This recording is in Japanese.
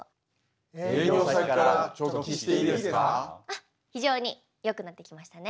あっ非常に良くなってきましたね。